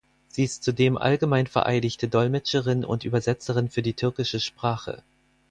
Sie ist zudem allgemein vereidigte Dolmetscherin und Übersetzerin für die türkische Sprache.